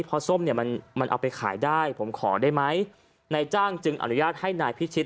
เพราะส้มเนี่ยมันมันเอาไปขายได้ผมขอได้ไหมนายจ้างจึงอนุญาตให้นายพิชิต